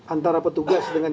antara petugas dengan